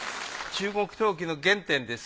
中国陶器の原点です。